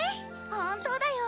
本当だよ。